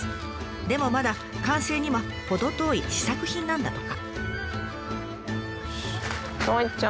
でもまだ完成には程遠い試作品なんだとか。